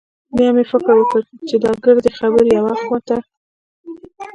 بيا مې فکر وکړ چې دا ګردې خبرې يوې خوا ته.